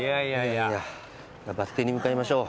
バス停に向かいましょう。